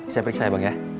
saya periksa ya bang ya